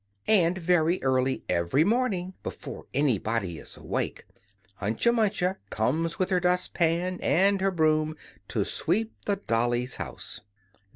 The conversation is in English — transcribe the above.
And very early every morning before anybody is awake Hunca Munca comes with her dust pan and her broom to sweep the Dollies' house!